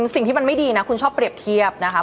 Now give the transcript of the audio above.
สิ่งที่มันไม่ดีนะคุณชอบเปรียบเทียบนะคะ